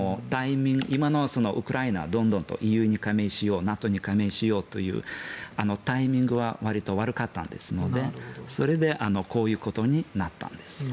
今のウクライナどんどんとＥＵに加盟しようＮＡＴＯに加盟しようというタイミングはわりと悪かったのでそれでこういうことになったんです。